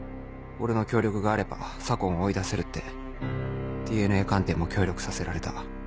俺の協力があれば左紺を追い出せるってＤＮＡ鑑定も協力させられた。